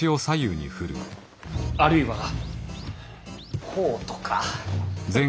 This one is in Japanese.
あるいはこうとか。